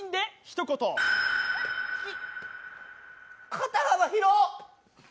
肩幅、広っ！